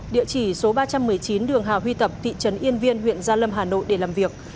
địa chỉ số ba trăm một mươi chín đường hào huy tập thị trấn yên viên huyện gia lâm hà nội để làm việc